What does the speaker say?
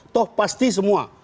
toh pasti semua